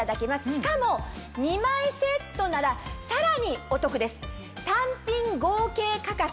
しかも２枚セットならさらにお得です。